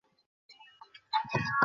হাল তো দেখো।